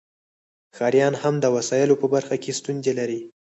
ښکاریان هم د وسایلو په برخه کې ستونزې لري